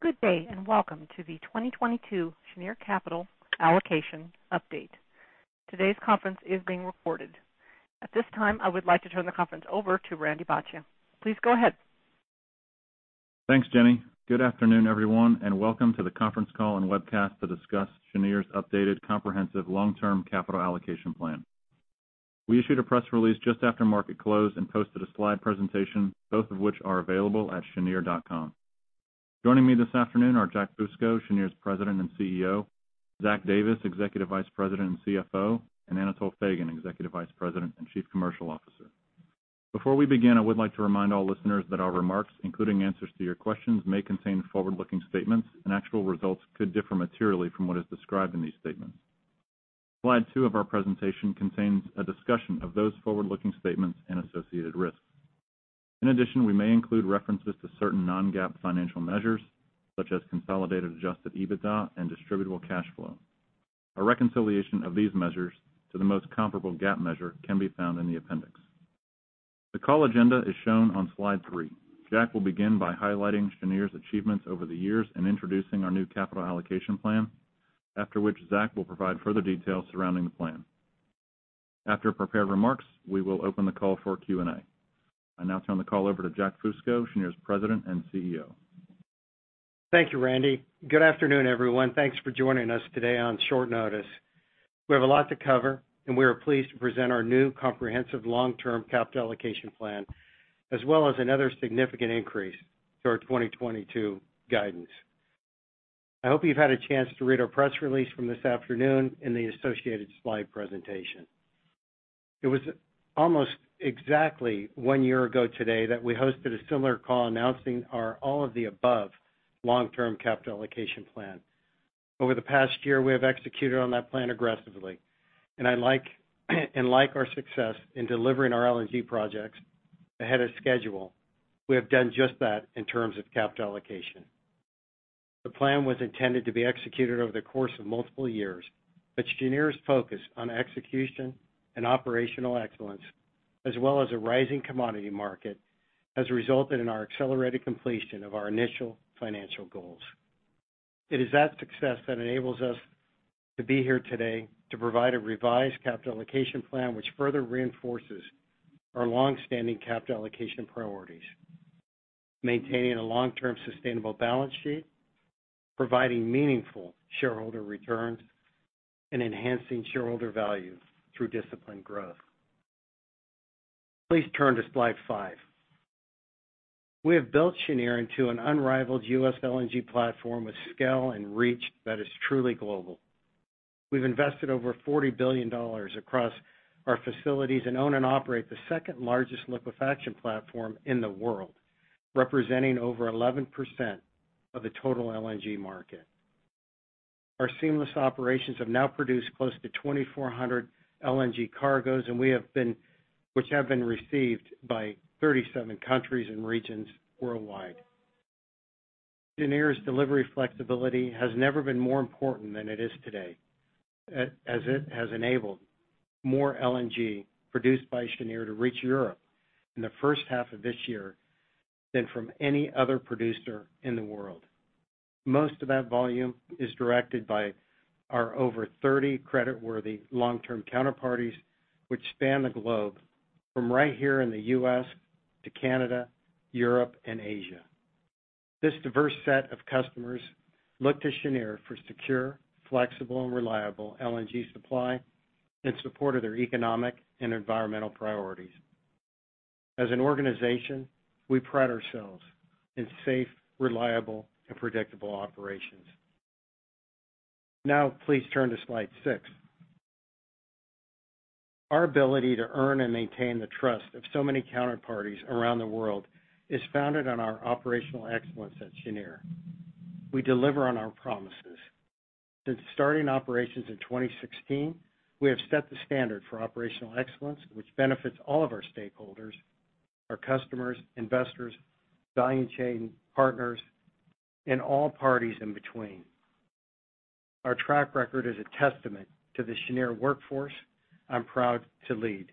Good day, and welcome to the 2022 Cheniere Capital Allocation Update. Today's conference is being recorded. At this time, I would like to turn the conference over to Randy Bhatia. Please go ahead. Thanks, Jenny. Good afternoon, everyone, and welcome to the conference call and webcast to discuss Cheniere's updated comprehensive long-term capital allocation plan. We issued a press release just after market close and posted a slide presentation, both of which are available at cheniere.com. Joining me this afternoon are Jack Fusco, Cheniere's President and CEO, Zach Davis, Executive Vice President and CFO, and Anatol Feygin, Executive Vice President and Chief Commercial Officer. Before we begin, I would like to remind all listeners that our remarks, including answers to your questions, may contain forward-looking statements and actual results could differ materially from what is described in these statements. Slide two of our presentation contains a discussion of those forward-looking statements and associated risks. In addition, we may include references to certain non-GAAP financial measures, such as consolidated adjusted EBITDA and distributable cash flow. A reconciliation of these measures to the most comparable GAAP measure can be found in the appendix. The call agenda is shown on slide 3. Jack will begin by highlighting Cheniere's achievements over the years and introducing our new capital allocation plan. After which, Zach will provide further details surrounding the plan. After prepared remarks, we will open the call for Q&A. I now turn the call over to Jack Fusco, Cheniere's President and CEO. Thank you, Randy. Good afternoon, everyone. Thanks for joining us today on short notice. We have a lot to cover, and we are pleased to present our new comprehensive long-term capital allocation plan, as well as another significant increase to our 2022 guidance. I hope you've had a chance to read our press release from this afternoon and the associated slide presentation. It was almost exactly one year ago today that we hosted a similar call announcing our all-of-the-above long-term capital allocation plan. Over the past year, we have executed on that plan aggressively, and I like our success in delivering our LNG projects ahead of schedule. We have done just that in terms of capital allocation. The plan was intended to be executed over the course of multiple years, but Cheniere's focus on execution and operational excellence, as well as a rising commodity market, has resulted in our accelerated completion of our initial financial goals. It is that success that enables us to be here today to provide a revised capital allocation plan, which further reinforces our long-standing capital allocation priorities, maintaining a long-term sustainable balance sheet, providing meaningful shareholder returns, and enhancing shareholder value through disciplined growth. Please turn to slide five. We have built Cheniere into an unrivaled U.S. LNG platform with scale and reach that is truly global. We've invested over $40 billion across our facilities and own and operate the second-largest liquefaction platform in the world, representing over 11% of the total LNG market. Our seamless operations have now produced close to 2,400 LNG cargos, which have been received by 37 countries and regions worldwide. Cheniere's delivery flexibility has never been more important than it is today, as it has enabled more LNG produced by Cheniere to reach Europe in the first half of this year than from any other producer in the world. Most of that volume is directed by our over 30 creditworthy long-term counterparties, which span the globe from right here in the U.S. to Canada, Europe, and Asia. This diverse set of customers look to Cheniere for secure, flexible, and reliable LNG supply in support of their economic and environmental priorities. As an organization, we pride ourselves in safe, reliable, and predictable operations. Now, please turn to slide six. Our ability to earn and maintain the trust of so many counterparties around the world is founded on our operational excellence at Cheniere. We deliver on our promises. Since starting operations in 2016, we have set the standard for operational excellence, which benefits all of our stakeholders, our customers, investors, value chain partners, and all parties in between. Our track record is a testament to the Cheniere workforce I'm proud to lead.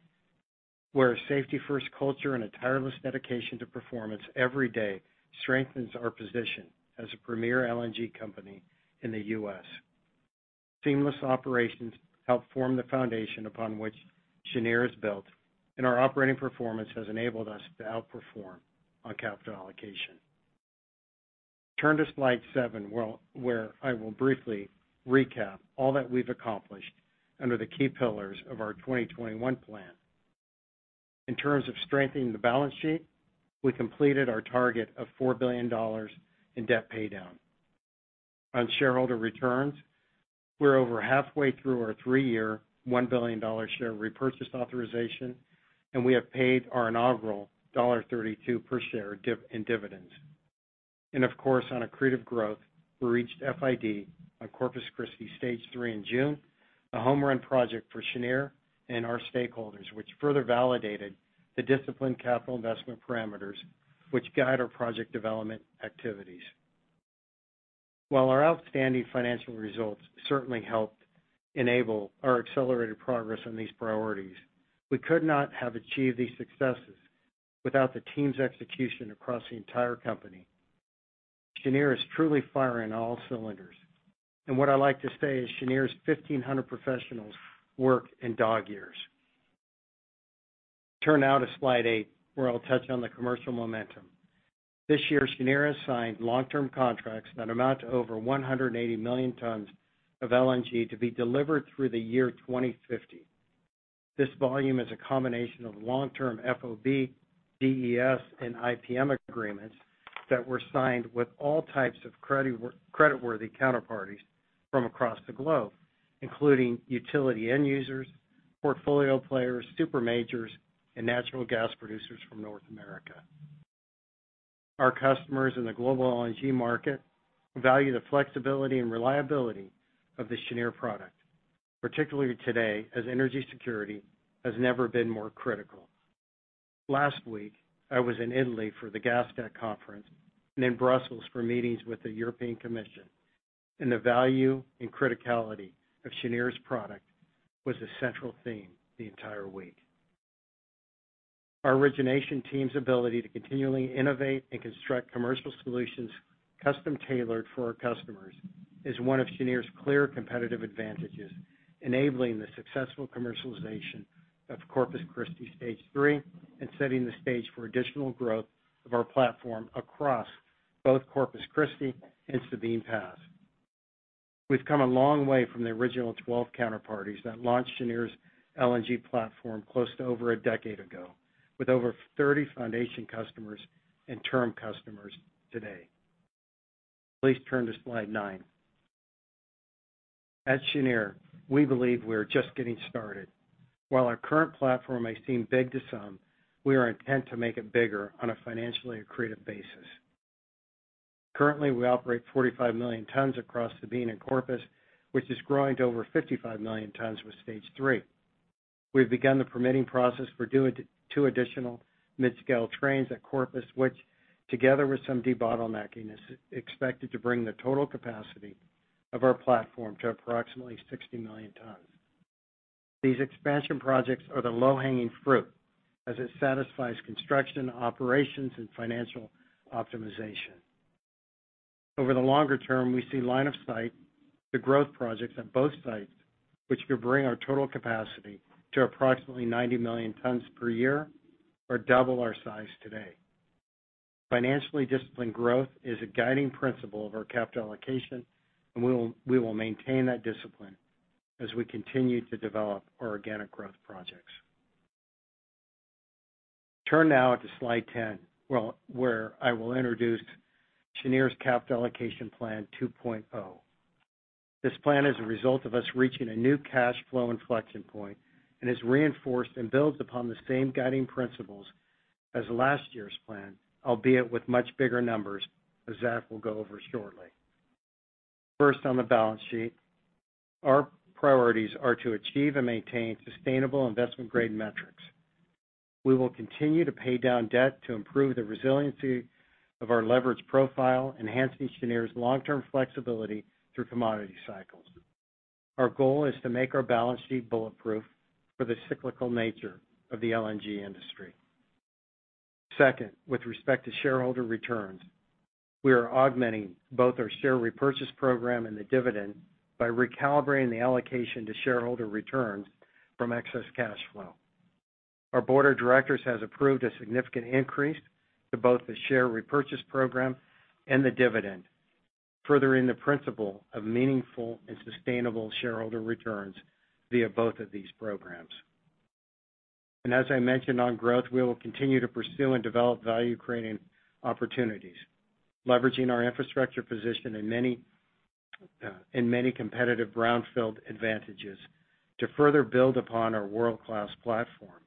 We're a safety-first culture and a tireless dedication to performance every day strengthens our position as a premier LNG company in the U.S. Seamless operations help form the foundation upon which Cheniere is built, and our operating performance has enabled us to outperform on capital allocation. Turn to slide 7, well, where I will briefly recap all that we've accomplished under the key pillars of our 2021 plan. In terms of strengthening the balance sheet, we completed our target of $4 billion in debt paydown. On shareholder returns, we're over halfway through our three-year, $1 billion share repurchase authorization, and we have paid our inaugural $1.32 per share in dividends. Of course, on accretive growth, we reached FID on Corpus Christi stage three in June, a home-run project for Cheniere and our stakeholders, which further validated the disciplined capital investment parameters which guide our project development activities. While our outstanding financial results certainly helped enable our accelerated progress on these priorities, we could not have achieved these successes without the team's execution across the entire company. Cheniere is truly firing on all cylinders. What I like to say is Cheniere's 1,500 professionals work in dog years. Turn now to slide 8, where I'll touch on the commercial momentum. This year, Cheniere has signed long-term contracts that amount to over 180 million tons of LNG to be delivered through the year 2050. This volume is a combination of long-term FOB, DES, and IPM agreements that were signed with all types of creditworthy counterparties from across the globe, including utility end users, portfolio players, super majors, and natural gas producers from North America. Our customers in the global LNG market value the flexibility and reliability of the Cheniere product, particularly today, as energy security has never been more critical. Last week, I was in Italy for the Gastech conference and in Brussels for meetings with the European Commission, and the value and criticality of Cheniere's product was a central theme the entire week. Our origination team's ability to continually innovate and construct commercial solutions custom-tailored for our customers is one of Cheniere's clear competitive advantages, enabling the successful commercialization of Corpus Christi stage three and setting the stage for additional growth of our platform across both Corpus Christi and Sabine Pass. We've come a long way from the original 12 counterparties that launched Cheniere's LNG platform close to over a decade ago, with over 30 foundation customers and term customers today. Please turn to slide 9. At Cheniere, we believe we are just getting started. While our current platform may seem big to some, we are intent to make it bigger on a financially accretive basis. Currently, we operate 45 million tons across Sabine and Corpus, which is growing to over 55 million tons with stage three. We've begun the permitting process for doing two additional mid-scale trains at Corpus, which together with some debottlenecking, is expected to bring the total capacity of our platform to approximately 60 million tons. These expansion projects are the low-hanging fruit as it satisfies construction, operations, and financial optimization. Over the longer term, we see line of sight to growth projects at both sites, which could bring our total capacity to approximately 90 million tons per year or double our size today. Financially disciplined growth is a guiding principle of our capital allocation, and we will maintain that discipline as we continue to develop our organic growth projects. Turn now to slide 10, well, where I will introduce Cheniere's capital allocation plan 2.0. This plan is a result of us reaching a new cash flow inflection point and is reinforced and builds upon the same guiding principles as last year's plan, albeit with much bigger numbers, as Zach will go over shortly. First, on the balance sheet, our priorities are to achieve and maintain sustainable investment-grade metrics. We will continue to pay down debt to improve the resiliency of our leverage profile, enhancing Cheniere's long-term flexibility through commodity cycles. Our goal is to make our balance sheet bulletproof for the cyclical nature of the LNG industry. Second, with respect to shareholder returns, we are augmenting both our share repurchase program and the dividend by recalibrating the allocation to shareholder returns from excess cash flow. Our board of directors has approved a significant increase to both the share repurchase program and the dividend, furthering the principle of meaningful and sustainable shareholder returns via both of these programs. As I mentioned on growth, we will continue to pursue and develop value-creating opportunities, leveraging our infrastructure position in many, in many competitive brownfield advantages to further build upon our world-class platform.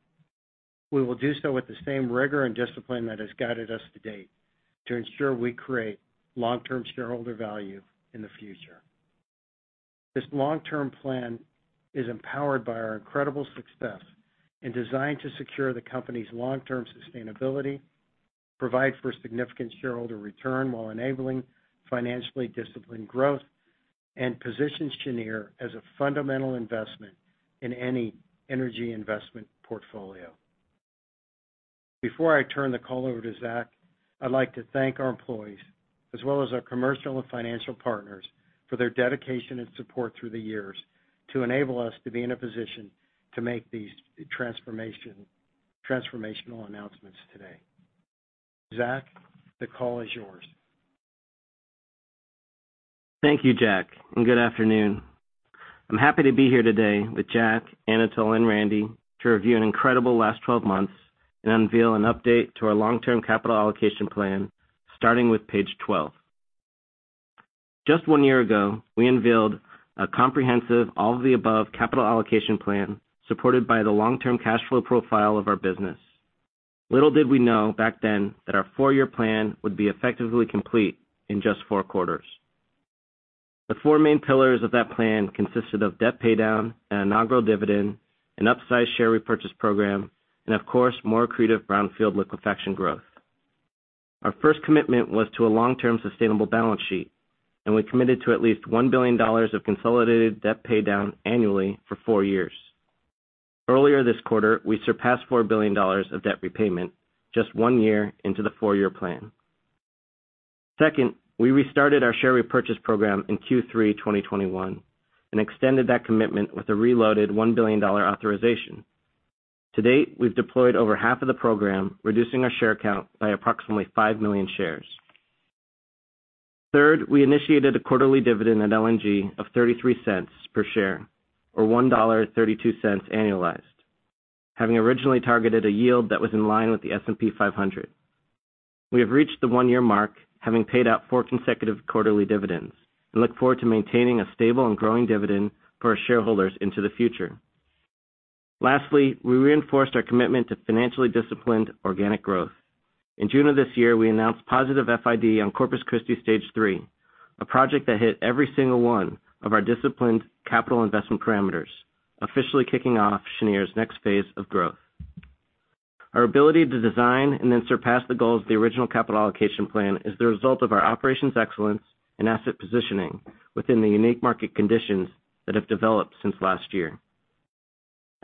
We will do so with the same rigor and discipline that has guided us to date to ensure we create long-term shareholder value in the future. This long-term plan is empowered by our incredible success and designed to secure the company's long-term sustainability, provide for significant shareholder return while enabling financially disciplined growth, and positions Cheniere as a fundamental investment in any energy investment portfolio. Before I turn the call over to Zach, I'd like to thank our employees as well as our commercial and financial partners for their dedication and support through the years to enable us to be in a position to make these transformation, transformational announcements today. Zach, the call is yours. Thank you, Jack, and good afternoon. I'm happy to be here today with Jack, Anatol, and Randy to review an incredible last 12 months and unveil an update to our long-term capital allocation plan, starting with page 12. Just one year ago, we unveiled a comprehensive all-of-the-above capital allocation plan supported by the long-term cash flow profile of our business. Little did we know back then that our four-year plan would be effectively complete in just four quarters. The four main pillars of that plan consisted of debt paydown and inaugural dividend, an upsized share repurchase program, and of course, more accretive brownfield liquefaction growth. Our first commitment was to a long-term sustainable balance sheet, and we committed to at least $1 billion of consolidated debt paydown annually for four years. Earlier this quarter, we surpassed $4 billion of debt repayment just one year into the four-year plan. Second, we restarted our share repurchase program in Q3 2021 and extended that commitment with a reloaded $1 billion authorization. To date, we've deployed over half of the program, reducing our share count by approximately 5 million shares. Third, we initiated a quarterly dividend at LNG of $0.33 per share, or $1.32 annualized, having originally targeted a yield that was in line with the S&P 500. We have reached the 1-year mark, having paid out 4 consecutive quarterly dividends and look forward to maintaining a stable and growing dividend for our shareholders into the future. Lastly, we reinforced our commitment to financially disciplined organic growth. In June of this year, we announced positive FID on Corpus Christi stage three, a project that hit every single one of our disciplined capital investment parameters, officially kicking off Cheniere's next phase of growth. Our ability to design and then surpass the goals of the original capital allocation plan is the result of our operations excellence and asset positioning within the unique market conditions that have developed since last year.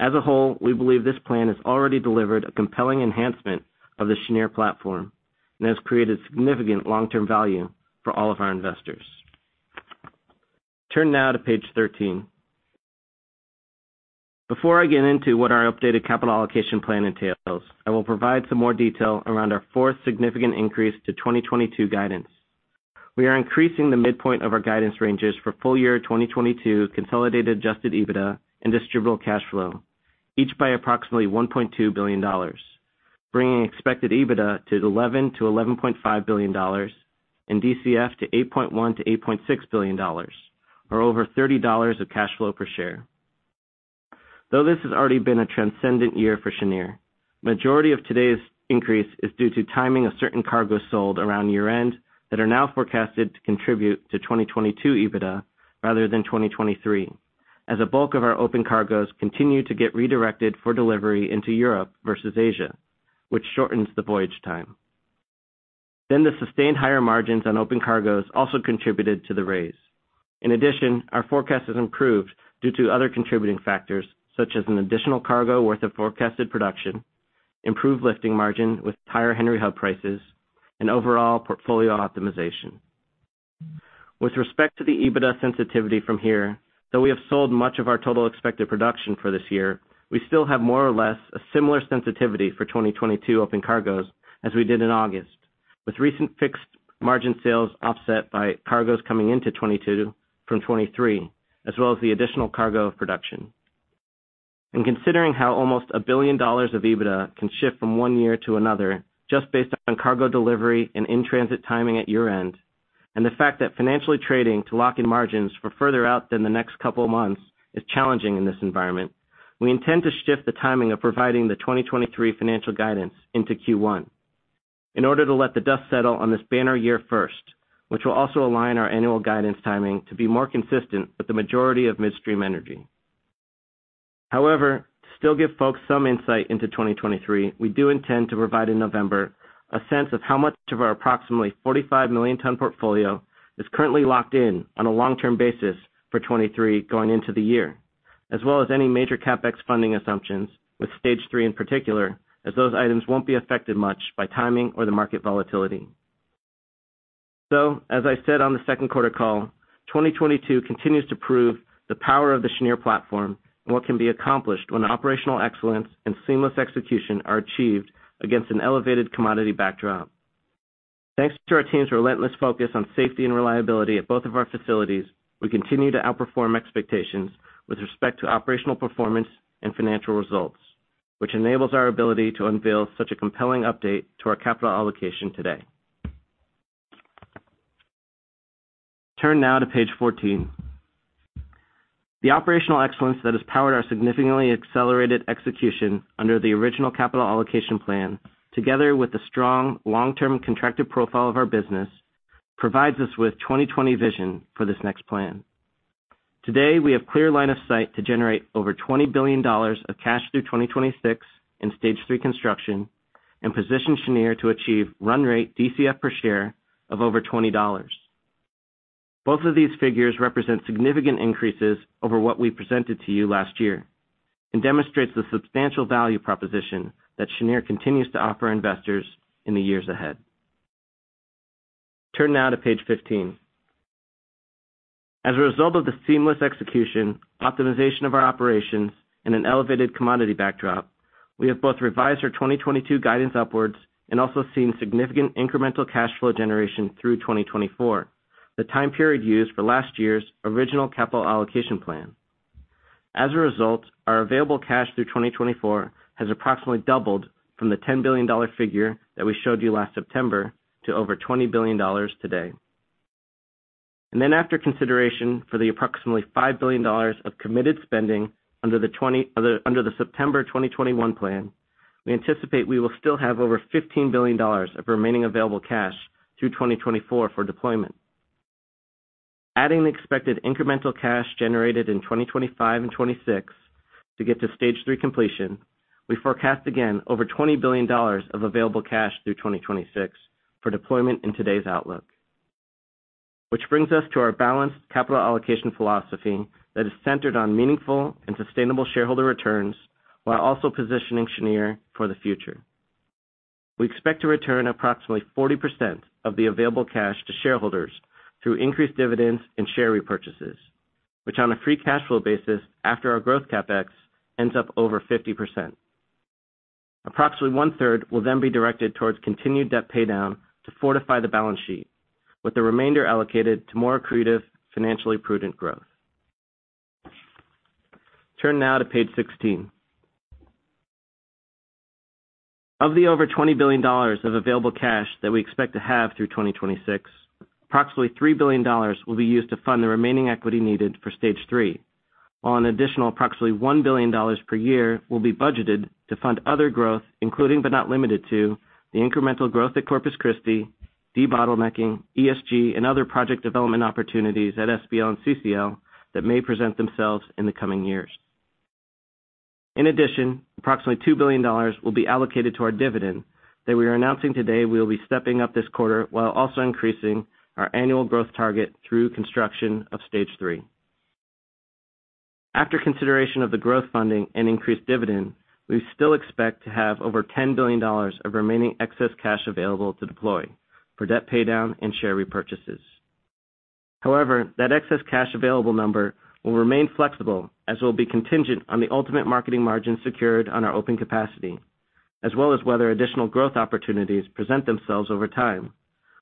As a whole, we believe this plan has already delivered a compelling enhancement of the Cheniere platform and has created significant long-term value for all of our investors. Turn now to page 13. Before I get into what our updated capital allocation plan entails, I will provide some more detail around our fourth significant increase to 2022 guidance. We are increasing the midpoint of our guidance ranges for full year 2022 consolidated adjusted EBITDA and distributable cash flow, each by approximately $1.2 billion, bringing expected EBITDA to $11 -11.5 billion and DCF to $8.1 -8.6 billion or over $30 of cash flow per share. Though this has already been a transcendent year for Cheniere, majority of today's increase is due to timing of certain cargoes sold around year-end that are now forecasted to contribute to 2022 EBITDA rather than 2023, as a bulk of our open cargoes continue to get redirected for delivery into Europe versus Asia, which shortens the voyage time. The sustained higher margins on open cargoes also contributed to the raise. In addition, our forecast has improved due to other contributing factors, such as an additional cargo worth of forecasted production, improved lifting margin with higher Henry Hub prices, and overall portfolio optimization. With respect to the EBITDA sensitivity from here, though we have sold much of our total expected production for this year, we still have more or less a similar sensitivity for 2022 open cargoes as we did in August, with recent fixed margin sales offset by cargoes coming into 2022 from 2023, as well as the additional cargo of production. In considering how almost $1 billion of EBITDA can shift from one year to another just based on cargo delivery and in-transit timing at year-end, and the fact that financially trading to lock in margins for further out than the next couple of months is challenging in this environment, we intend to shift the timing of providing the 2023 financial guidance into Q1 in order to let the dust settle on this banner year first, which will also align our annual guidance timing to be more consistent with the majority of midstream energy. However, to still give folks some insight into 2023, we do intend to provide in November a sense of how much of our approximately 45 million ton portfolio is currently locked in on a long-term basis for 2023 going into the year, as well as any major CapEx funding assumptions with Stage three in particular, as those items won't be affected much by timing or the market volatility. As I said on the Q2 call, 2022 continues to prove the power of the Cheniere platform and what can be accomplished when operational excellence and seamless execution are achieved against an elevated commodity backdrop. Thanks to our team's relentless focus on safety and reliability at both of our facilities, we continue to outperform expectations with respect to operational performance and financial results, which enables our ability to unveil such a compelling update to our capital allocation today. Turn now to page 14. The operational excellence that has powered our significantly accelerated execution under the original capital allocation plan, together with the strong long-term contracted profile of our business, provides us with 20/20 vision for this next plan. Today, we have clear line of sight to generate over $20 billion of cash through 2026 in Stage Three construction and position Cheniere to achieve run rate DCF per share of over $20. Both of these figures represent significant increases over what we presented to you last year and demonstrates the substantial value proposition that Cheniere continues to offer investors in the years ahead. Turn now to page 15. As a result of the seamless execution, optimization of our operations, and an elevated commodity backdrop, we have both revised our 2022 guidance upwards and also seen significant incremental cash flow generation through 2024, the time period used for last year's original capital allocation plan. As a result, our available cash through 2024 has approximately doubled from the $10 billion figure that we showed you last September to over $20 billion today. After consideration for the approximately $5 billion of committed spending under the September 2021 plan, we anticipate we will still have over $15 billion of remaining available cash through 2024 for deployment. Adding the expected incremental cash generated in 2025 and 2026 to get to stage three completion, we forecast again over $20 billion of available cash through 2026 for deployment in today's outlook. Which brings us to our balanced capital allocation philosophy that is centered on meaningful and sustainable shareholder returns while also positioning Cheniere for the future. We expect to return approximately 40% of the available cash to shareholders through increased dividends and share repurchases, which on a free cash flow basis after our growth CapEx ends up over 50%. Approximately one-third will then be directed towards continued debt paydown to fortify the balance sheet, with the remainder allocated to more accretive, financially prudent growth. Turn now to page 16. Of the over $20 billion of available cash that we expect to have through 2026, approximately $3 billion will be used to fund the remaining equity needed for stage three. While an additional approximately $1 billion per year will be budgeted to fund other growth including, but not limited to, the incremental growth at Corpus Christi, debottlenecking, ESG, and other project development opportunities at SPL and CCL that may present themselves in the coming years. In addition, approximately $2 billion will be allocated to our dividend that we are announcing today we will be stepping up this quarter while also increasing our annual growth target through construction of stage three. After consideration of the growth funding and increased dividend, we still expect to have over $10 billion of remaining excess cash available to deploy for debt paydown and share repurchases. However, that excess cash available number will remain flexible as it will be contingent on the ultimate marketing margin secured on our open capacity, as well as whether additional growth opportunities present themselves over time,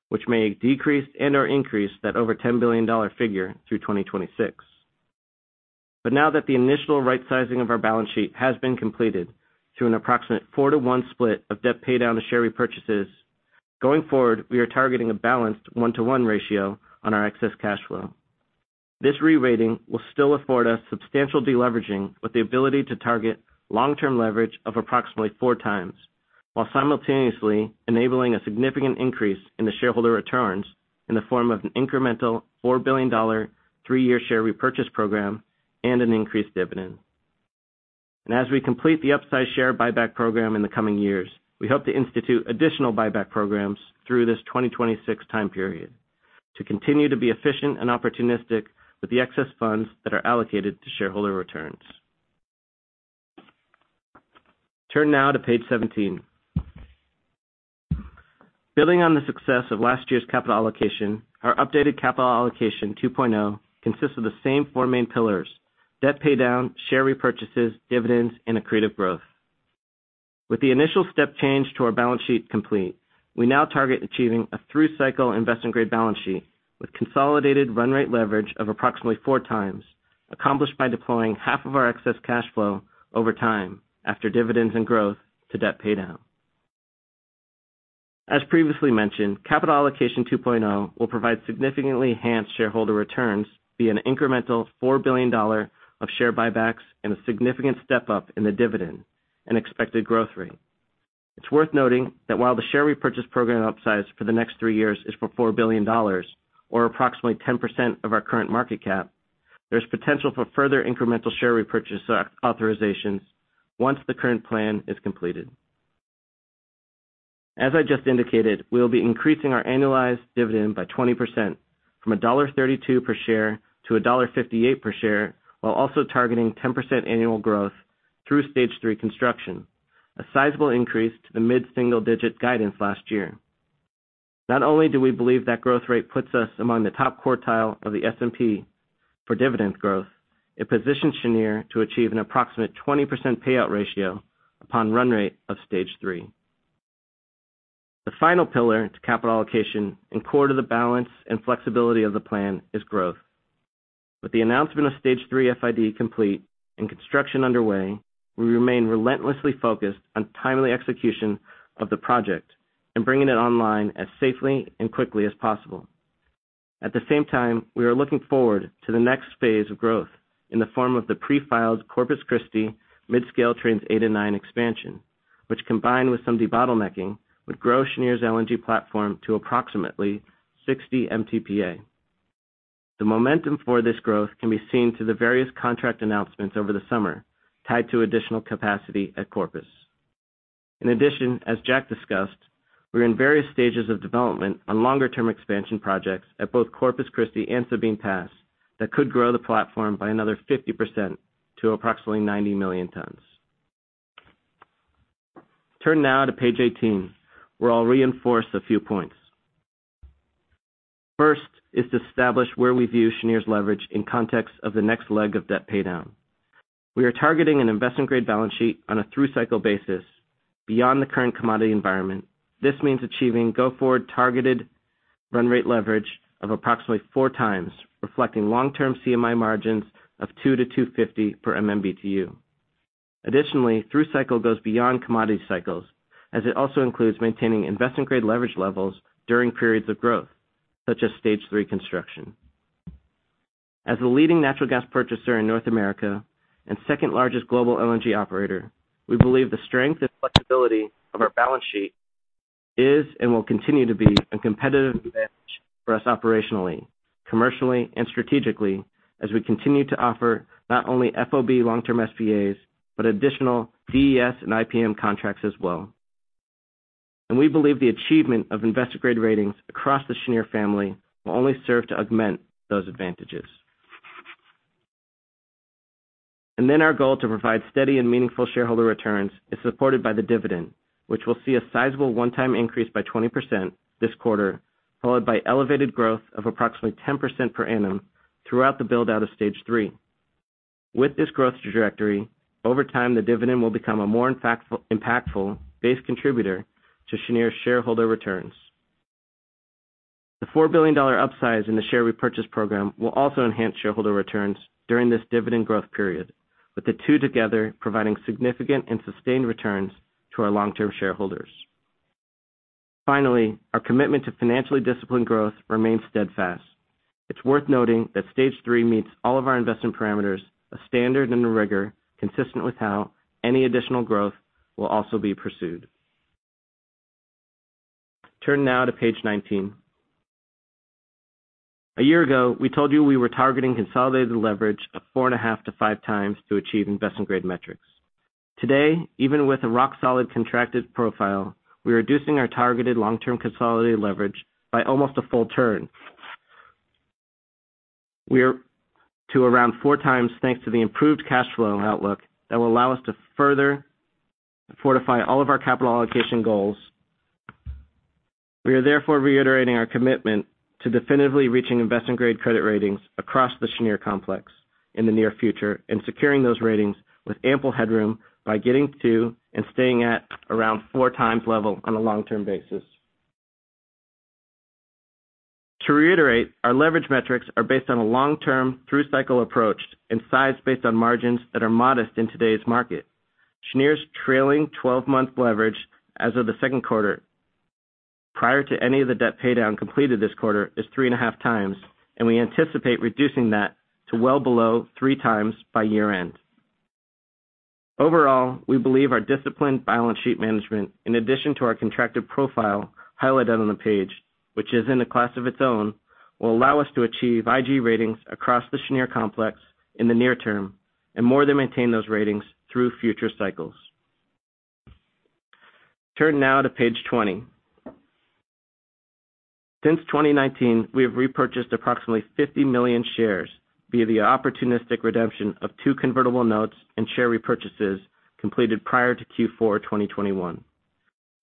which may decrease and/or increase that over $10 billion figure through 2026. Now that the initial right sizing of our balance sheet has been completed to an approximate 4-to-1 split of debt paydown to share repurchases, going forward, we are targeting a balanced 1-to-1 ratio on our excess cash flow. This re-rating will still afford us substantial deleveraging with the ability to target long-term leverage of approximately four times, while simultaneously enabling a significant increase in the shareholder returns in the form of an incremental $4 billion three-year share repurchase program and an increased dividend. As we complete the upsize share buyback program in the coming years, we hope to institute additional buyback programs through this 2026 time period to continue to be efficient and opportunistic with the excess funds that are allocated to shareholder returns. Turn now to page 17. Building on the success of last year's capital allocation, our updated capital allocation 2.0 consists of the same four main pillars. Debt paydown, share repurchases, dividends, and accretive growth. With the initial step change to our balance sheet complete, we now target achieving a through-cycle investment-grade balance sheet with consolidated run rate leverage of approximately 4x, accomplished by deploying half of our excess cash flow over time after dividends and growth to debt paydown. As previously mentioned, capital allocation 2.0 will provide significantly enhanced shareholder returns via an incremental $4 billion of share buybacks and a significant step-up in the dividend and expected growth rate. It's worth noting that while the share repurchase program upsize for the next 3 years is for $4 billion or approximately 10% of our current market cap, there's potential for further incremental share repurchase authorizations once the current plan is completed. As I just indicated, we'll be increasing our annualized dividend by 20% from $1.32 per share to $1.58 per share, while also targeting 10% annual growth through stage three construction, a sizable increase to the mid-single-digit guidance last year. Not only do we believe that growth rate puts us among the top quartile of the S&P for dividend growth, it positions Cheniere to achieve an approximate 20% payout ratio upon run rate of stage three. The final pillar to capital allocation and core to the balance and flexibility of the plan is growth. With the announcement of stage three FID complete and construction underway, we remain relentlessly focused on timely execution of the project and bringing it online as safely and quickly as possible. At the same time, we are looking forward to the next phase of growth in the form of the pre-filed Corpus Christi mid-scale trains 8 and 9 expansion, which combined with some debottlenecking, would grow Cheniere's LNG platform to approximately 60 MTPA. The momentum for this growth can be seen through the various contract announcements over the summer tied to additional capacity at Corpus. In addition, as Jack discussed, we're in various stages of development on longer-term expansion projects at both Corpus Christi and Sabine Pass that could grow the platform by another 50% to approximately 90 million tons. Turn now to page 18, where I'll reinforce a few points. First is to establish where we view Cheniere's leverage in context of the next leg of debt paydown. We are targeting an investment-grade balance sheet on a through cycle basis beyond the current commodity environment. This means achieving go-forward targeted run-rate leverage of approximately 4 times, reflecting long-term CMI margins of $2-$2.50 per MMBtu. Additionally, through-cycle goes beyond commodity cycles, as it also includes maintaining investment-grade leverage levels during periods of growth, such as Stage three construction. As the leading natural gas purchaser in North America and second-largest global LNG operator, we believe the strength and flexibility of our balance sheet is and will continue to be a competitive advantage for us operationally, commercially, and strategically as we continue to offer not only FOB long-term SPAs, but additional DES and IPM contracts as well. We believe the achievement of investment-grade ratings across the Cheniere family will only serve to augment those advantages. Our goal to provide steady and meaningful shareholder returns is supported by the dividend, which will see a sizable one-time increase by 20% this quarter, followed by elevated growth of approximately 10% per annum throughout the build-out of stage three. With this growth trajectory, over time, the dividend will become a more impactful base contributor to Cheniere shareholder returns. The $4 billion upsize in the share repurchase program will also enhance shareholder returns during this dividend growth period, with the two together providing significant and sustained returns to our long-term shareholders. Finally, our commitment to financially disciplined growth remains steadfast. It's worth noting that stage three meets all of our investment parameters, a standard and a rigor consistent with how any additional growth will also be pursued. Turn now to page 19. A year ago, we told you we were targeting consolidated leverage of 4.5-5 times to achieve investment-grade metrics. Today, even with a rock-solid contracted profile, we're reducing our targeted long-term consolidated leverage by almost a full turn to around 4 times, thanks to the improved cash flow outlook that will allow us to further fortify all of our capital allocation goals. We are therefore reiterating our commitment to definitively reaching investment-grade credit ratings across the Cheniere complex in the near future and securing those ratings with ample headroom by getting to and staying at around 4 times level on a long-term basis. To reiterate, our leverage metrics are based on a long-term through-cycle approach and sized based on margins that are modest in today's market. Cheniere's trailing twelve-month leverage as of the Q2, prior to any of the debt paydown completed this quarter, is 3.5x, and we anticipate reducing that to well below 3x by year-end. Overall, we believe our disciplined balance sheet management, in addition to our contracted profile highlighted on the page, which is in a class of its own, will allow us to achieve IG ratings across the Cheniere complex in the near term and more than maintain those ratings through future cycles. Turn now to page 20. Since 2019, we have repurchased approximately 50 million shares via the opportunistic redemption of 2 convertible notes and share repurchases completed prior to Q4 2021.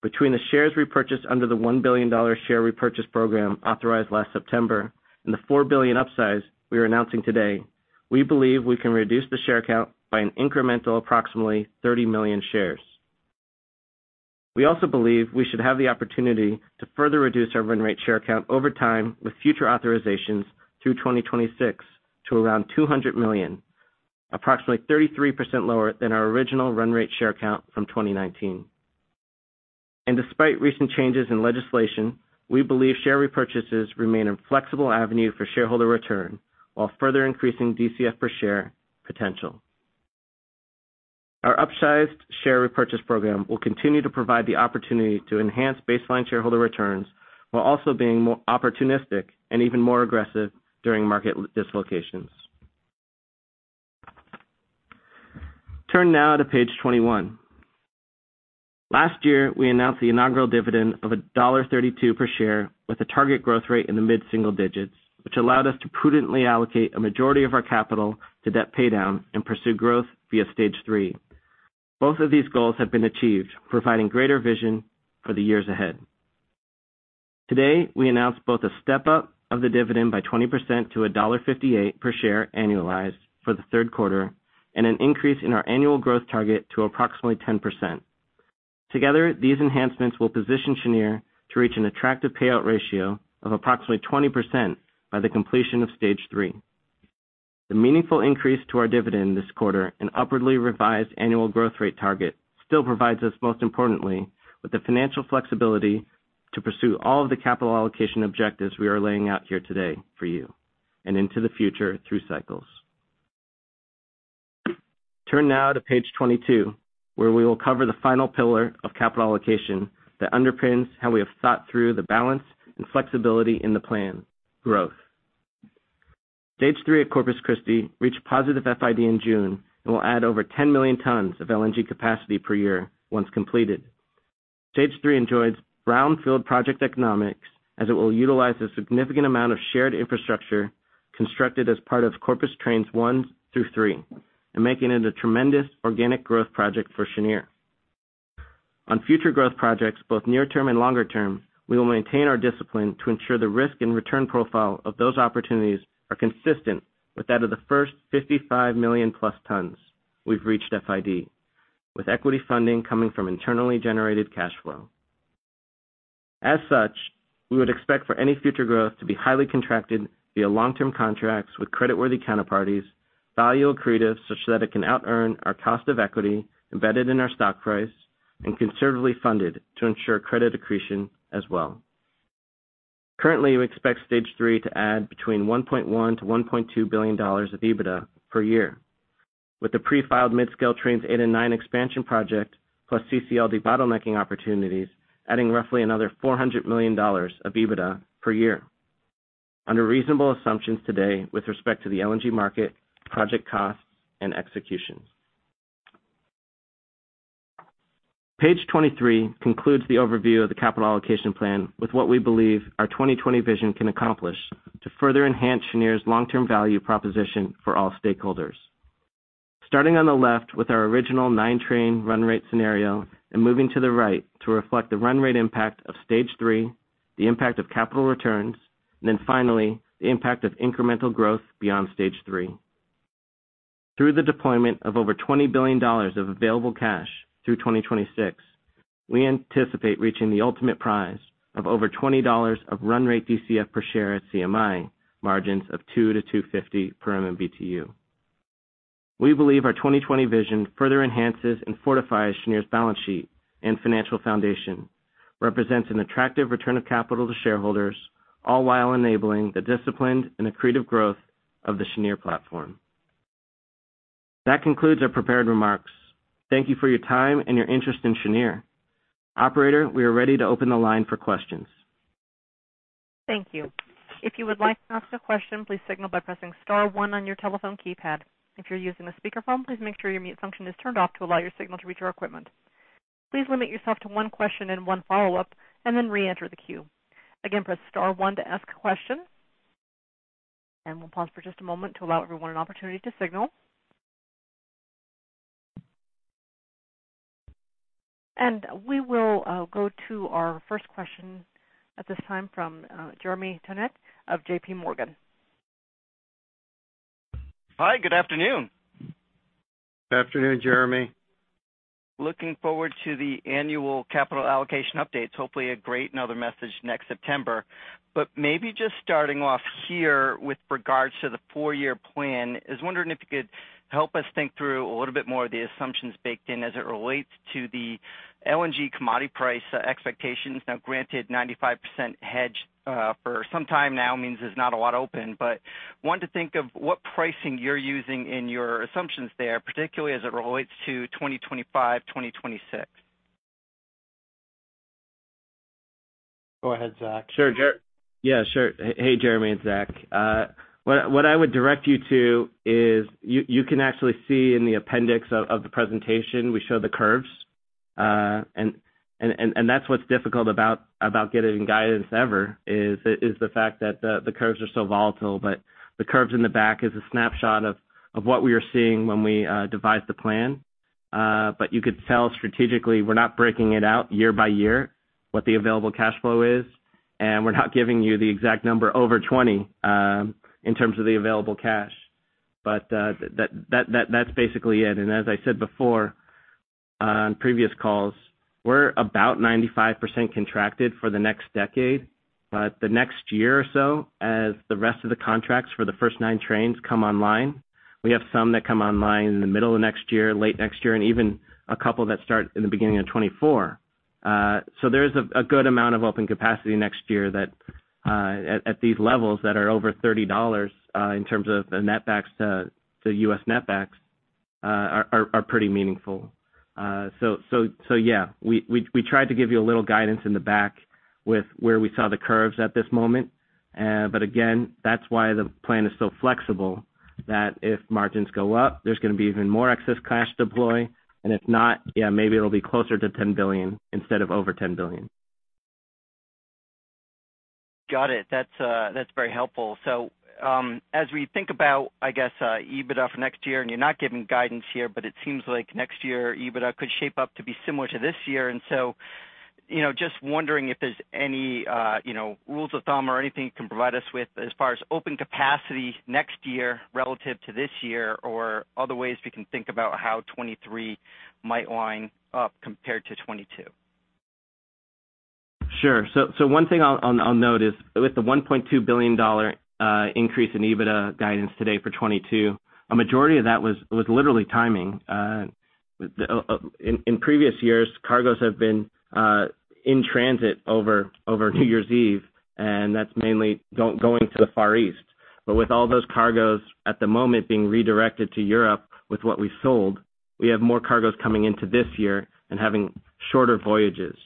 Between the shares repurchased under the $1 billion share repurchase program authorized last September and the $4 billion upsize we are announcing today, we believe we can reduce the share count by an incremental approximately 30 million shares. We also believe we should have the opportunity to further reduce our run rate share count over time with future authorizations through 2026 to around 200 million, approximately 33% lower than our original run rate share count from 2019. Despite recent changes in legislation, we believe share repurchases remain a flexible avenue for shareholder return while further increasing DCF per share potential. Our upsized share repurchase program will continue to provide the opportunity to enhance baseline shareholder returns while also being more opportunistic and even more aggressive during market dislocations. Turn now to page 21. Last year, we announced the inaugural dividend of $1.32 per share with a target growth rate in the mid-single digits, which allowed us to prudently allocate a majority of our capital to debt paydown and pursue growth via stage three. Both of these goals have been achieved, providing greater vision for the years ahead. Today, we announced both a step-up of the dividend by 20% to $1.58 per share annualized for the Q3 and an increase in our annual growth target to approximately 10%. Together, these enhancements will position Cheniere to reach an attractive payout ratio of approximately 20% by the completion of stage three. The meaningful increase to our dividend this quarter and upwardly revised annual growth rate target still provides us, most importantly, with the financial flexibility to pursue all of the capital allocation objectives we are laying out here today for you and into the future through cycles. Turn now to page 22, where we will cover the final pillar of capital allocation that underpins how we have thought through the balance and flexibility in the plan, growth. stage three at Corpus Christi reached positive FID in June and will add over 10 million tons of LNG capacity per year once completed. stage three enjoys brownfield project economics, as it will utilize a significant amount of shared infrastructure constructed as part of Corpus Trains 1 through 3 and making it a tremendous organic growth project for Cheniere. On future growth projects, both near term and longer term, we will maintain our discipline to ensure the risk and return profile of those opportunities are consistent with that of the first 55 million-plus tons we've reached FID, with equity funding coming from internally generated cash flow. As such, we would expect for any future growth to be highly contracted via long-term contracts with creditworthy counterparties, value accretive such that it can outearn our cost of equity embedded in our stock price and conservatively funded to ensure credit accretion as well. Currently, we expect stage three to add between $1.1 billion-$1.2 billion of EBITDA per year, with the pre-filed mid-scale trains 8 and 9 expansion project, plus CCL debottlenecking opportunities, adding roughly another $400 million of EBITDA per year under reasonable assumptions today with respect to the LNG market, project costs, and execution. Page 23 concludes the overview of the capital allocation plan with what we believe our 2020 vision can accomplish to further enhance Cheniere's long-term value proposition for all stakeholders. Starting on the left with our original 9-train run rate scenario and moving to the right to reflect the run rate impact of stage three, the impact of capital returns, and then finally, the impact of incremental growth beyond stage three. Through the deployment of over $20 billion of available cash through 2026, we anticipate reaching the ultimate prize of over $20 of run rate DCF per share at CMI margins of $2-$2.50 per MMBtu. We believe our 2020 vision further enhances and fortifies Cheniere's balance sheet and financial foundation, represents an attractive return of capital to shareholders, all while enabling the disciplined and accretive growth of the Cheniere platform. That concludes our prepared remarks. Thank you for your time and your interest in Cheniere. Operator, we are ready to open the line for questions. Thank you. If you would like to ask a question, please signal by pressing star one on your telephone keypad. If you're using a speakerphone, please make sure your mute function is turned off to allow your signal to reach our equipment. Please limit yourself to one question and one follow-up, and then reenter the queue. Again, press star one to ask a question. We'll pause for just a moment to allow everyone an opportunity to signal. We will go to our first question at this time from Jeremy Tonet of J.P. Morgan. Hi, good afternoon. Afternoon, Jeremy. Looking forward to the annual capital allocation updates. Hopefully another great message next September. Maybe just starting off here with regards to the four-year plan, I was wondering if you could help us think through a little bit more of the assumptions baked in as it relates to the LNG commodity price expectations. Now granted, 95% hedged for some time now means there's not a lot open, but wanted to think of what pricing you're using in your assumptions there, particularly as it relates to 2025, 2026. Go ahead, Zach. Sure. Yeah, sure. Hey, Jeremy, it's Zach. What I would direct you to is you can actually see in the appendix of the presentation, we show the curves. That's what's difficult about getting guidance ever, is the fact that the curves are so volatile. The curves in the back is a snapshot of what we are seeing when we devise the plan. You could tell strategically, we're not breaking it out year by year, what the available cash flow is, and we're not giving you the exact number over 20 in terms of the available cash. That's basically it. As I said before on previous calls, we're about 95% contracted for the next decade. The next year or so, as the rest of the contracts for the first 9 trains come online, we have some that come online in the middle of next year, late next year, and even a couple that start in the beginning of 2024. So there is a good amount of open capacity next year that at these levels that are over $30 in terms of the netbacks to U.S. netbacks are pretty meaningful. So yeah, we tried to give you a little guidance in the back with where we saw the curves at this moment. But again, that's why the plan is so flexible that if margins go up, there's gonna be even more excess cash deploy. If not, yeah, maybe it'll be closer to $10 billion instead of over $10 billion. Got it. That's very helpful. As we think about, I guess, EBITDA for next year, and you're not giving guidance here, but it seems like next year EBITDA could shape up to be similar to this year. You know, just wondering if there's any, you know, rules of thumb or anything you can provide us with as far as open capacity next year relative to this year or other ways we can think about how 2023 might line up compared to 2022. Sure. One thing I'll note is with the $1.2 billion increase in EBITDA guidance today for 2022, a majority of that was literally timing. In previous years, cargoes have been in transit over New Year's Eve, and that's mainly going to the Far East. With all those cargoes at the moment being redirected to Europe with what we sold, we have more cargoes coming into this year and having shorter voyages,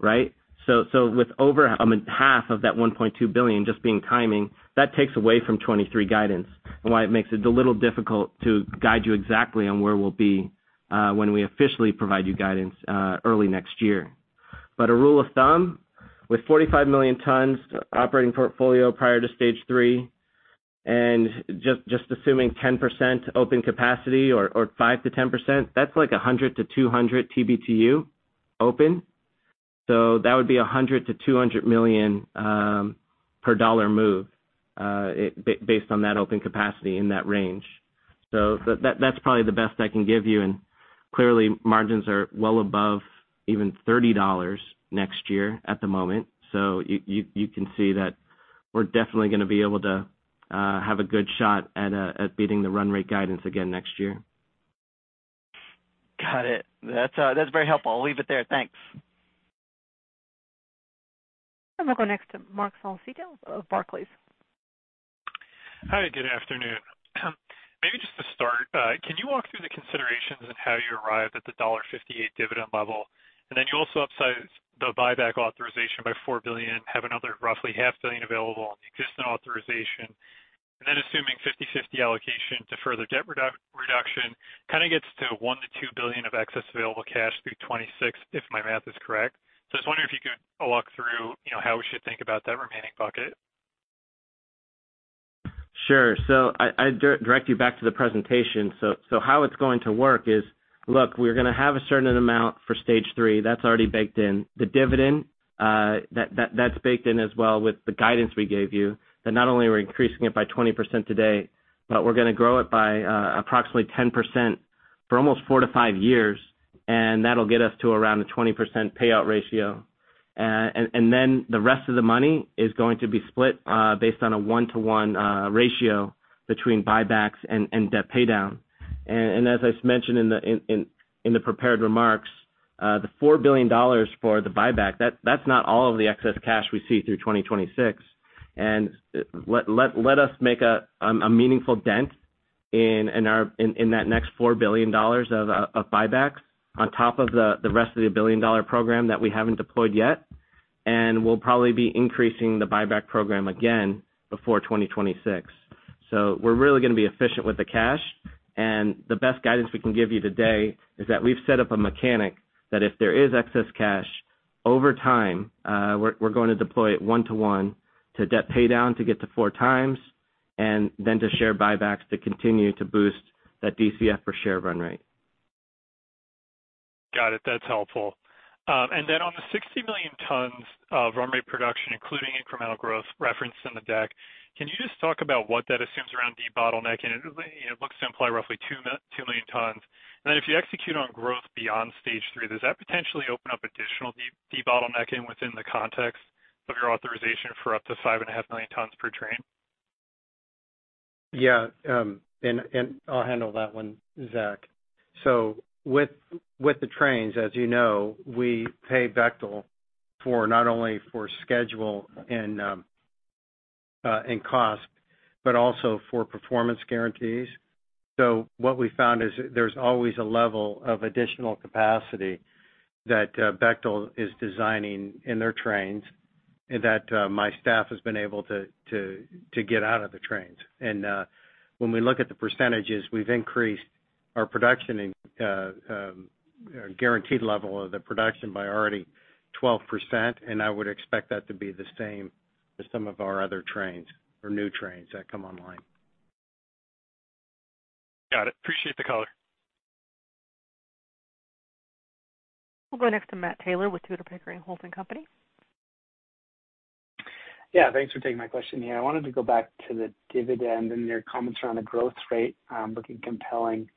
right? With over, I mean, half of that $1.2 billion just being timing, that takes away from 2023 guidance and why it makes it a little difficult to guide you exactly on where we'll be, when we officially provide you guidance, early next year. A rule of thumb, with 45 million tons operating portfolio prior to stage three and just assuming 10% open capacity or 5%-10%, that's like 100-200 TBtu open. So that would be 100-200 million per dollar move based on that open capacity in that range. So that's probably the best I can give you. Clearly, margins are well above even $30 next year at the moment. So you can see that we're definitely gonna be able to have a good shot at beating the run rate guidance again next year. Got it. That's very helpful. I'll leave it there. Thanks. We'll go next to Theresa Chen of Barclays. Hi, good afternoon. Maybe just to start, can you walk through the considerations on how you arrived at the $1.58 dividend level? You also upsized the buyback authorization by $4 billion, have another roughly $0.5 billion available on the existing authorization. Assuming 50/50 allocation to further debt reduction kind of gets to $1 -2 billion of excess available cash through 2026, if my math is correct. I was wondering if you could walk through, you know, how we should think about that remaining bucket. Sure. I direct you back to the presentation. How it's going to work is, look, we're gonna have a certain amount for stage three that's already baked in. The dividend, that's baked in as well with the guidance we gave you, that not only are we increasing it by 20% today, but we're gonna grow it by approximately 10% for almost 4-5 years, and that'll get us to around a 20% payout ratio. Then the rest of the money is going to be split based on a 1-to-1 ratio between buybacks and debt paydown. As I mentioned in the prepared remarks, the $4 billion for the buyback, that's not all of the excess cash we see through 2026. Let us make a meaningful dent in that next $4 billion of buybacks on top of the rest of the billion-dollar program that we haven't deployed yet. We'll probably be increasing the buyback program again before 2026. We're really gonna be efficient with the cash. The best guidance we can give you today is that we've set up a mechanic that if there is excess cash over time, we're gonna deploy it one to one to debt paydown to get to 4 times, and then to share buybacks to continue to boost that DCF per share run rate. Got it. That's helpful. On the 60 million tons of run rate production, including incremental growth referenced in the deck, can you just talk about what that assumes around debottlenecking? It, you know, it looks to imply roughly 2 million tons. If you execute on growth beyond stage three, does that potentially open up additional debottlenecking within the context of your authorization for up to 5.5 million tons per train? Yeah. I'll handle that one, Zach. With the trains, as you know, we pay Bechtel for not only for schedule and cost, but also for performance guarantees. What we found is there's always a level of additional capacity that Bechtel is designing in their trains and that my staff has been able to to get out of the trains. When we look at the percentages, we've increased our production in guaranteed level of the production by already 12%, and I would expect that to be the same as some of our other trains or new trains that come online. Got it. Appreciate the color. We'll go next to Matt Taylor with Tudor, Pickering, Holt & Company. Yeah, thanks for taking my question here. I wanted to go back to the dividend and your comments around the growth rate looking compelling.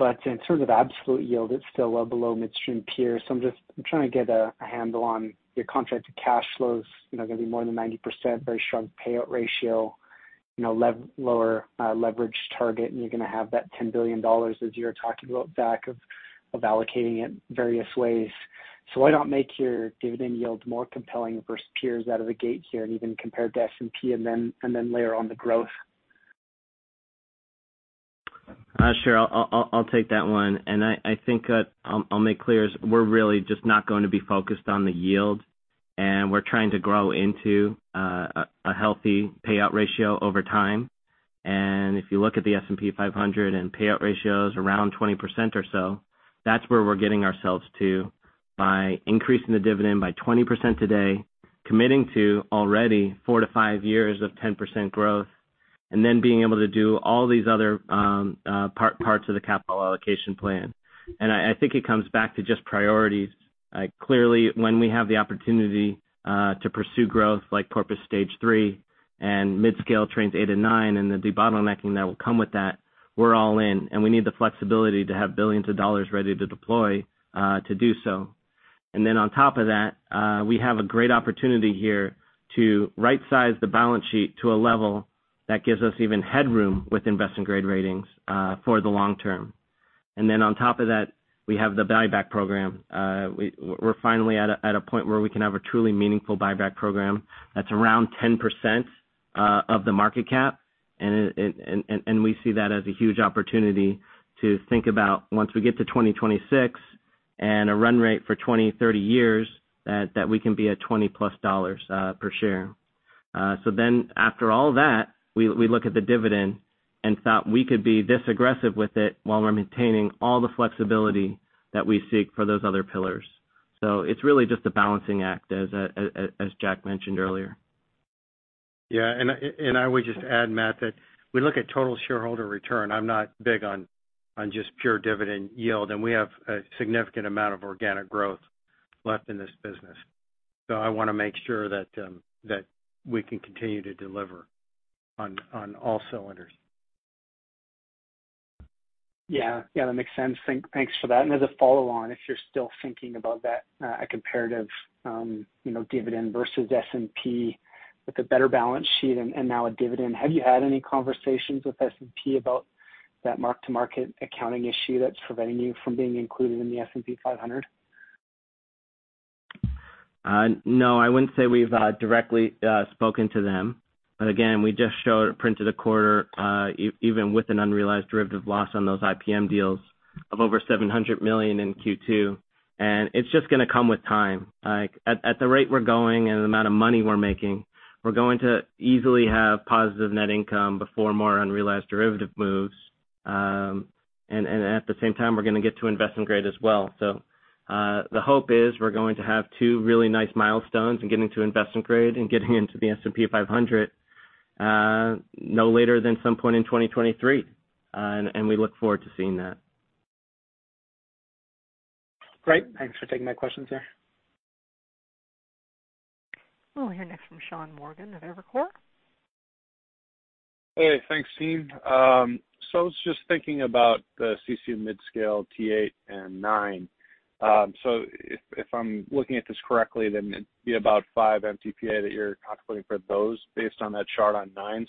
In terms of absolute yield, it's still well below midstream peers. I'm just trying to get a handle on your contract to cash flows. You know, gonna be more than 90%, very strong payout ratio, you know, lower leverage target, and you're gonna have that $10 billion as you were talking about back of allocating it various ways. Why not make your dividend yield more compelling versus peers out of the gate here and even compared to S&P and then layer on the growth? Sure. I'll take that one. I think that I'll make clear is we're really just not going to be focused on the yield, and we're trying to grow into a healthy payout ratio over time. If you look at the S&P 500 and payout ratios around 20% or so, that's where we're getting ourselves to by increasing the dividend by 20% today, committing to already 4-5 years of 10% growth, and then being able to do all these other parts of the capital allocation plan. I think it comes back to just priorities. Clearly, when we have the opportunity to pursue growth like Corpus stage three and mid-scale trains 8 and 9 and the debottlenecking that will come with that, we're all in, and we need the flexibility to have billions of dollars ready to deploy to do so. On top of that, we have a great opportunity here to right-size the balance sheet to a level that gives us even headroom with investment-grade ratings for the long term. On top of that, we have the buyback program. We're finally at a point where we can have a truly meaningful buyback program that's around 10% of the market cap. We see that as a huge opportunity to think about once we get to 2026 and a run rate for 20-30 years that we can be at $20+ per share. After all that, we look at the dividend and thought we could be this aggressive with it while we're maintaining all the flexibility that we seek for those other pillars. It's really just a balancing act, as Jack mentioned earlier. Yeah. I would just add, Matt, that we look at total shareholder return. I'm not big on just pure dividend yield, and we have a significant amount of organic growth left in this business. I wanna make sure that we can continue to deliver on all cylinders. Yeah. Yeah, that makes sense. Thanks for that. As a follow on, if you're still thinking about that, a comparative, dividend versus S&P with a better balance sheet and now a dividend, have you had any conversations with S&P about that mark-to-market accounting issue that's preventing you from being included in the S&P 500? No, I wouldn't say we've directly spoken to them. Again, we just printed a quarter, even with an unrealized derivative loss on those IPM deals of over $700 million in Q2. It's just gonna come with time. Like, at the rate we're going and the amount of money we're making, we're going to easily have positive net income before more unrealized derivative moves. At the same time, we're gonna get to investment grade as well. The hope is we're going to have two really nice milestones in getting to investment grade and getting into the S&P 500, no later than some point in 2023. We look forward to seeing that. Great. Thanks for taking my questions, sir. We'll hear next from Sean Morgan at Evercore. Hey, thanks, team. I was just thinking about the CC mid-scale T8 and 9. If I'm looking at this correctly, then it'd be about 5 MTPA that you're calculating for those based on that chart on 9.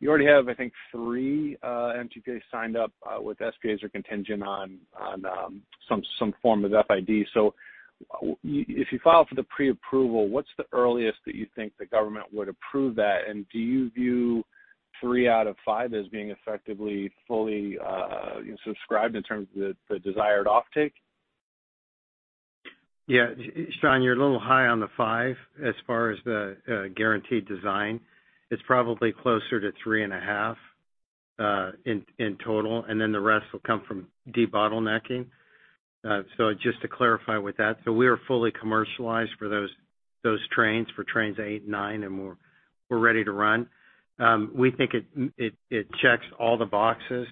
You already have, I think, 3 MTPA signed up with SPAs or contingent on some form of FID. If you file for the pre-approval, what's the earliest that you think the government would approve that? And do you view 3 out of 5 as being effectively fully, you know, subscribed in terms of the desired offtake? Yeah. Sean, you're a little high on the 5 as far as the guaranteed design. It's probably closer to 3.5 in total, and then the rest will come from debottlenecking. Just to clarify with that, we are fully commercialized for those trains, for trains 8 and 9, and we're ready to run. We think it checks all the boxes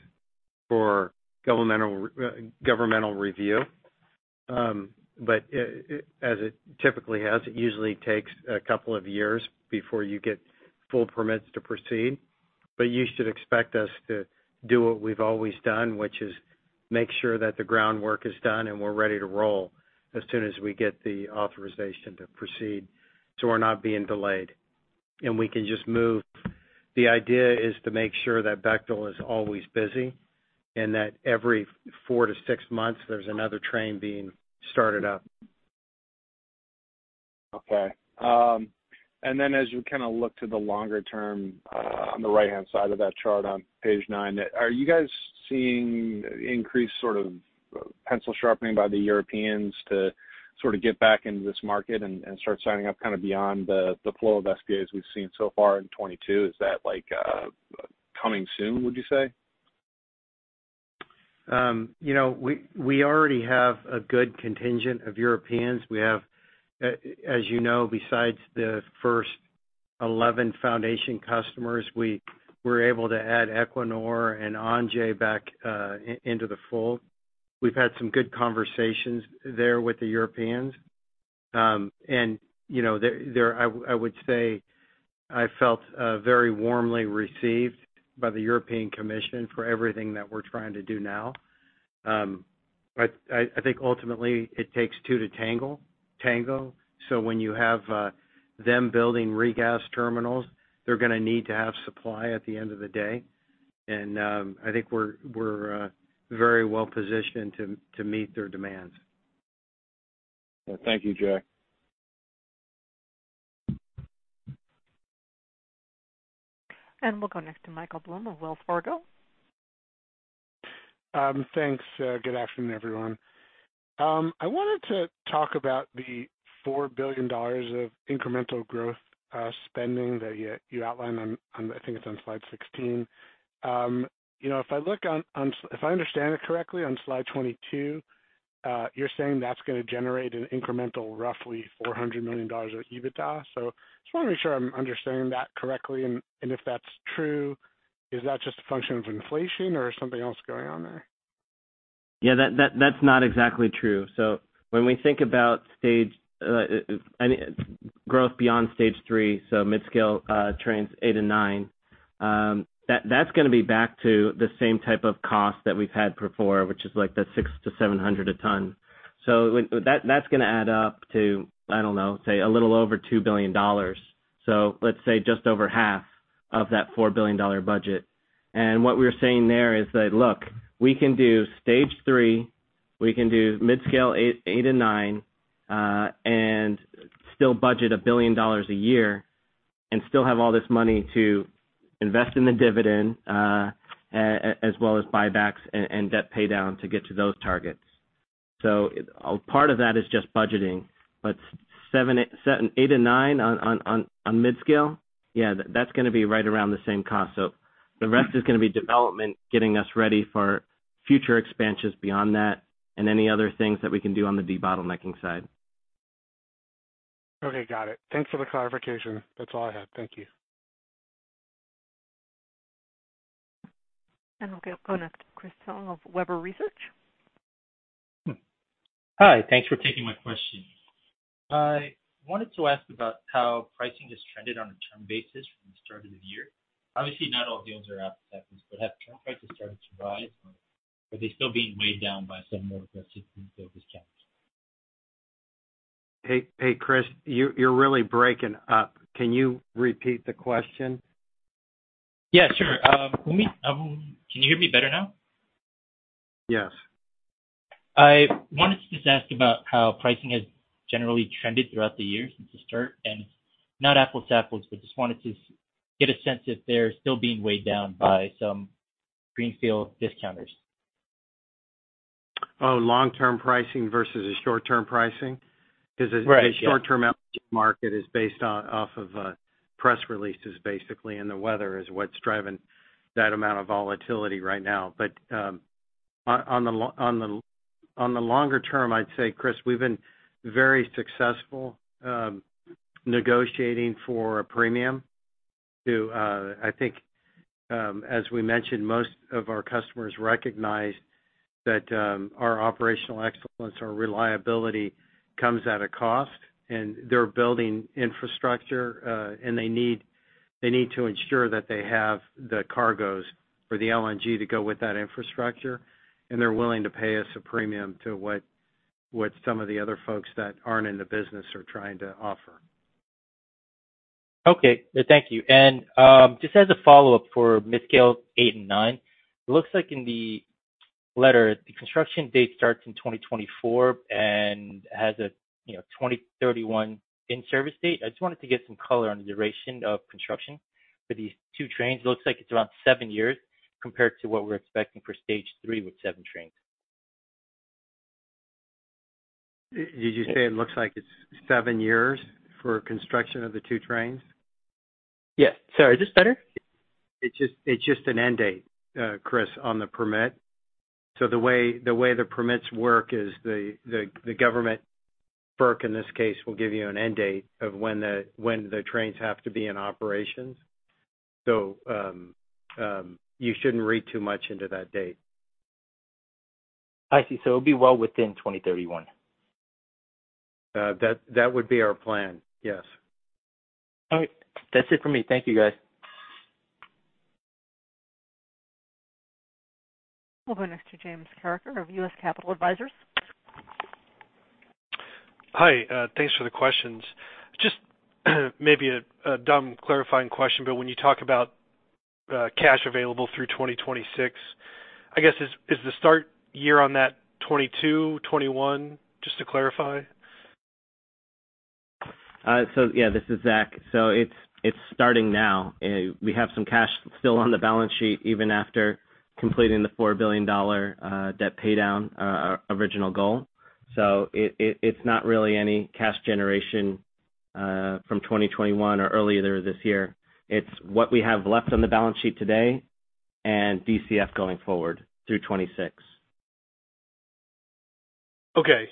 for governmental review. As it typically has, it usually takes a couple of years before you get full permits to proceed. You should expect us to do what we've always done, which is make sure that the groundwork is done and we're ready to roll as soon as we get the authorization to proceed, so we're not being delayed and we can just move. The idea is to make sure that Bechtel is always busy and that every 4-6 months, there's another train being started up. Okay. As you kinda look to the longer term, on the right-hand side of that chart on page nine, are you guys seeing increased sort of pencil sharpening by the Europeans to sort of get back into this market and start signing up kind of beyond the flow of SPAs we've seen so far in 2022? Is that, like, coming soon, would you say? You know, we already have a good contingent of Europeans. We have, as you know, besides the first 11 foundation customers, we're able to add Equinor and ENGIE back into the fold. We've had some good conversations there with the Europeans. You know, I would say I felt very warmly received by the European Commission for everything that we're trying to do now. I think ultimately it takes two to tango. When you have them building regas terminals, they're gonna need to have supply at the end of the day. I think we're very well-positioned to meet their demands. Thank you, Jack. We'll go next to Michael Blum of Wells Fargo. Thanks. Good afternoon, everyone. I wanted to talk about the $4 billion of incremental growth spending that you outlined on slide 16. You know, if I look on slide 22, if I understand it correctly, you're saying that's gonna generate an incremental roughly $400 million of EBITDA. Just wanna make sure I'm understanding that correctly. If that's true, is that just a function of inflation or something else going on there? Yeah, that's not exactly true. When we think about stage three, any growth beyond stage three, mid-scale trains 8 and 9, that's gonna be back to the same type of cost that we've had before, which is like $600-$700 a ton. That's gonna add up to, I don't know, say a little over $2 billion. Let's say just over half of that $4 billion budget. What we're saying there is that, look, we can do stage three, we can do mid-scale 8 and 9, and still budget $1 billion a year and still have all this money to invest in the dividend, as well as buybacks and debt pay down to get to those targets. Part of that is just budgeting. 7, 8 and 9 on mid-scale, yeah, that's gonna be right around the same cost. The rest is gonna be development getting us ready for future expansions beyond that and any other things that we can do on the debottlenecking side. Okay, got it. Thanks for the clarification. That's all I had. Thank you. We'll go up next to Chris Caso of Wolfe Research. Hi. Thanks for taking my question. I wanted to ask about how pricing has trended on a term basis from the start of the year. Obviously, not all deals are apples to apples, but have spot prices started to rise, or are they still being weighed down by some more aggressive greenfield discounts? Hey, Chris, you're really breaking up. Can you repeat the question? Yeah, sure. Can you hear me better now? Yes. I wanted to just ask about how pricing has generally trended throughout the year since the start, and it's not apples to apples, but just wanted to get a sense if they're still being weighed down by some greenfield discounters? Oh, long-term pricing versus the short-term pricing? Right, yeah. 'Cause the short-term LNG market is based off of press releases basically, and the weather is what's driving that amount of volatility right now. On the longer term, I'd say, Chris, we've been very successful negotiating for a premium to, I think, as we mentioned, most of our customers recognize that our operational excellence, our reliability comes at a cost, and they're building infrastructure, and they need to ensure that they have the cargoes for the LNG to go with that infrastructure, and they're willing to pay us a premium to what some of the other folks that aren't in the business are trying to offer. Okay. Thank you. Just as a follow-up for midscale 8 and 9, it looks like in the letter, the construction date starts in 2024 and has a, you know, 2031 in-service date. I just wanted to get some color on the duration of construction for these two trains. It looks like it's around seven years compared to what we're expecting for stage three with 7 trains. Did you say it looks like it's 7 years for construction of the 2 trains? Yes. Sorry, is this better? It's just an end date, Chris, on the permit. The way the permits work is the government, FERC in this case, will give you an end date of when the trains have to be in operations. You shouldn't read too much into that date. I see. It'll be well within 2031. That would be our plan, yes. All right. That's it for me. Thank you, guys. We'll go next to James Carreker of U.S. Capital Advisors. Hi, thanks for the questions. Just maybe a dumb clarifying question, but when you talk about cash available through 2026, I guess, is the start year on that 2022, 2021? Just to clarify. This is Zach. It's starting now. We have some cash still on the balance sheet even after completing the $4 billion debt paydown, our original goal. It's not really any cash generation from 2021 or earlier this year. It's what we have left on the balance sheet today and DCF going forward through 2026. Okay.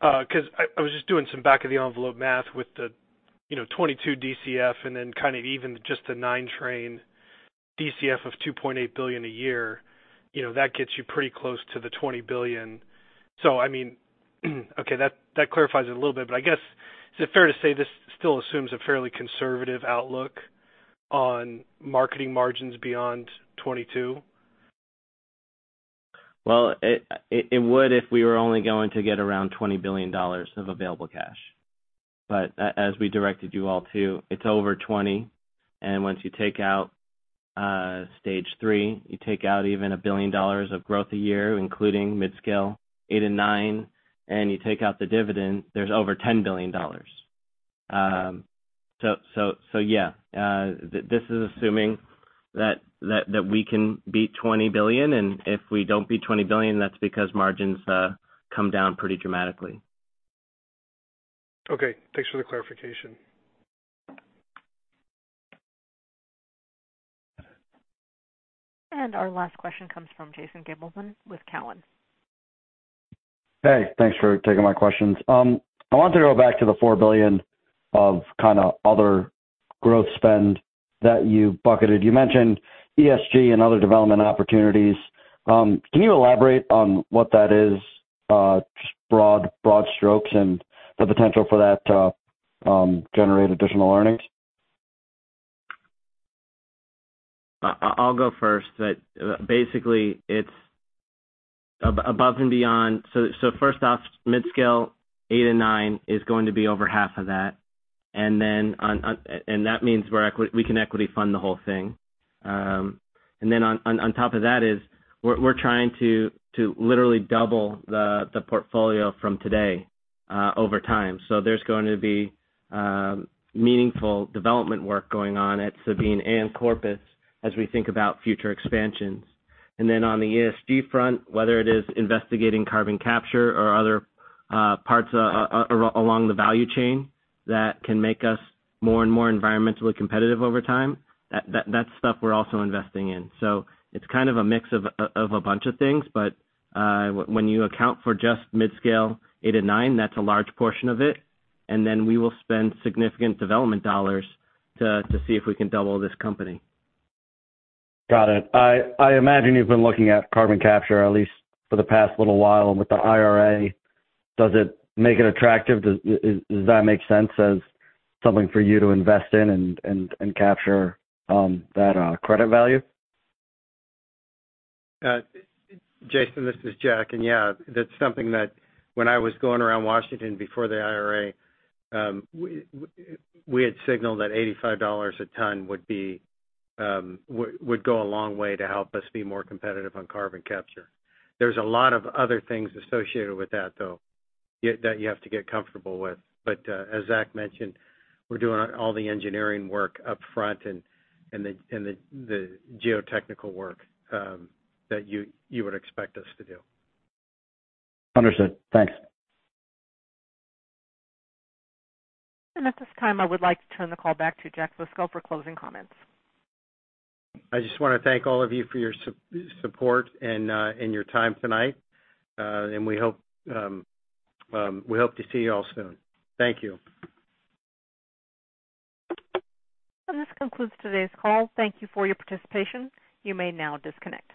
'Cause I was just doing some back-of-the-envelope math with the, you know, 22 DCF and then kind of even just the 9-train DCF of $2.8 billion a year. You know, that gets you pretty close to the $20 billion. I mean, okay, that clarifies it a little bit. I guess, is it fair to say this still assumes a fairly conservative outlook on marketing margins beyond 22? Well, it would if we were only going to get around $20 billion of available cash. As we directed you all to, it's over $20 billion. Once you take out stage three, you take out even $1 billion of growth a year, including Midscale 8 and 9, and you take out the dividend, there's over $10 billion. So yeah, this is assuming that we can beat $20 billion, and if we don't beat $20 billion, that's because margins come down pretty dramatically. Okay. Thanks for the clarification. Our last question comes from Jason Gabelman with Cowen. Hey, thanks for taking my questions. I wanted to go back to the $4 billion of kinda other growth spend that you bucketed. You mentioned ESG and other development opportunities. Can you elaborate on what that is, just broad strokes and the potential for that to generate additional earnings? I'll go first. That basically it's above and beyond. First off, midscale 8 to 9 is going to be over half of that. Then that means we can equity fund the whole thing. Then on top of that we're trying to literally double the portfolio from today over time. There's going to be meaningful development work going on at Sabine and Corpus as we think about future expansions. Then on the ESG front, whether it is investigating carbon capture or other parts along the value chain that can make us more and more environmentally competitive over time, that's stuff we're also investing in. It's kind of a mix of a bunch of things, but when you account for just midscale 8 and 9, that's a large portion of it. Then we will spend significant development dollars to see if we can double this company. Got it. I imagine you've been looking at carbon capture, at least for the past little while with the IRA. Does it make it attractive? Does that make sense as something for you to invest in and capture that credit value? Jason, this is Jack. Yeah, that's something that when I was going around Washington before the IRA, we had signaled that $85 a ton would go a long way to help us be more competitive on carbon capture. There's a lot of other things associated with that, though, that you have to get comfortable with. As Zach mentioned, we're doing all the engineering work up front and the geotechnical work that you would expect us to do. Understood. Thanks. At this time, I would like to turn the call back to Jack Fusco for closing comments. I just wanna thank all of you for your support and your time tonight. We hope to see you all soon. Thank you. This concludes today's call. Thank you for your participation. You may now disconnect.